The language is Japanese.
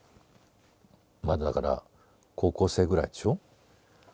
まだだから高校生ぐらいでしょ？